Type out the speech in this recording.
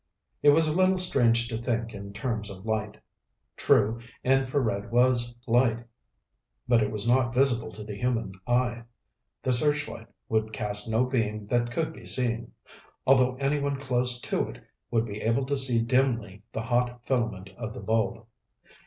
It was a little strange to think in terms of light. True, infrared was light. But it was not visible to the human eye. The searchlight would cast no beam that could be seen, although anyone close to it would be able to see dimly the hot filament of the bulb.